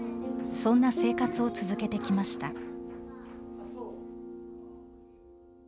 そんな生活を続けてきました。